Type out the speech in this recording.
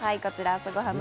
朝ごはんだ。